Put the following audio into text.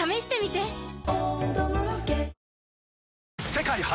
世界初！